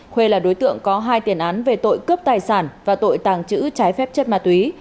huê là đối tượng có hai tiền án về tội cướp tài sản và tội tàng trữ trái phép chất ma túy